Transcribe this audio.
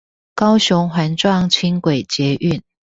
高雄環狀輕軌捷運